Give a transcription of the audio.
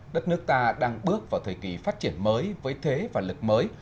đất nước ta đang bước vào thời kỳ phát triển mới với thế và lực mới